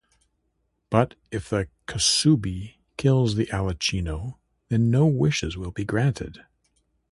But if the kusabi kills the alichino, then no wishes will be granted.